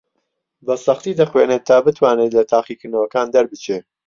بەسەختی دەخوێنێت تا بتوانێت لە تاقیکردنەوەکان دەربچێت.